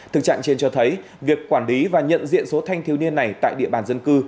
thực trạng trên cho thấy việc quản lý và nhận diện số thanh thiếu niên này tại địa bàn dân cư